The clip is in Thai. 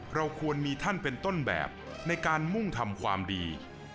เราควรมีท่านเป็นต้นแบบในการมุ่งทำความดี